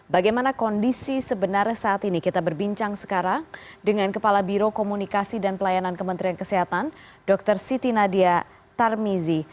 bagaimana kondisi sebenarnya saat ini kita berbincang sekarang dengan kepala biro komunikasi dan pelayanan kementerian kesehatan dr siti nadia tarmizi